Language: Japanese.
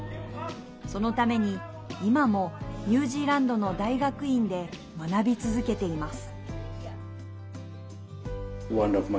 そのために、今もニュージーランドの大学院で学び続けています。